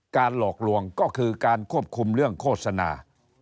หลอกลวงก็คือการควบคุมเรื่องโฆษณา